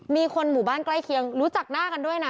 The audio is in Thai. มีคนหมู่บ้านใกล้เคียงรู้จักหน้ากันด้วยนะ